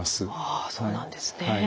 あそうなんですね。